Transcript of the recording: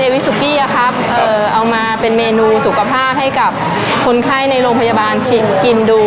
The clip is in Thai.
เอามาเป็นเมนูสุขภาพให้กับคนไข้ในโรงพยาบาลชิบกินดู